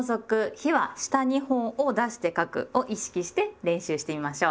「日は下２本を出して書く」を意識して練習してみましょう！